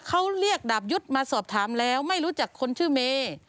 เขาเรียกดาบยุทธ์มาสอบถามแล้วไม่รู้จักคนชื่อเมย์